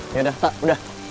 yaudah tak udah